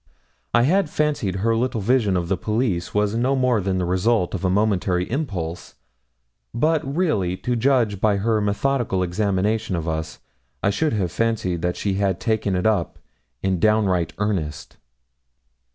I had fancied her little vision of the police was no more than the result of a momentary impulse; but really, to judge by her methodical examinations of us, I should have fancied that she had taken it up in downright earnest.